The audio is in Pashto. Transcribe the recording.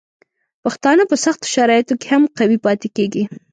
پښتانه په سختو شرایطو کې هم قوي پاتې کیږي.